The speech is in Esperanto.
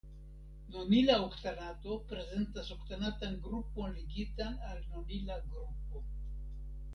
Nonila oktanato prezentas oktanatan grupon ligitan al nonila grupo.